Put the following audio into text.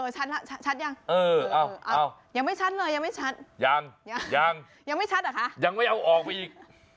ชัดยังยังไม่ชัดเลยยังไม่ชัดยังยังยันไม่เอาออกไปอีก